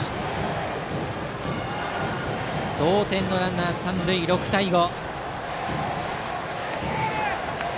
同点のランナー三塁６対５。